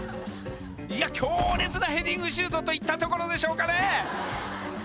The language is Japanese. いや強烈なヘディングシュートといったところでしょうかね